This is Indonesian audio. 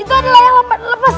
itu kayak itu ada layang lepas